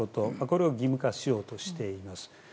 これを義務化しようとしています。